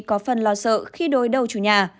có phần lo sợ khi đối đầu chủ nhà